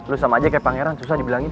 lu sama aja kayak pangeran susah dibilangin